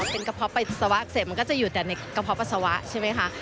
เป็นกระเพาะไปปัสสาวะเสร็จมันก็จะอยู่แต่ในกระเพาะปัสสาวะใช่ไหมคะ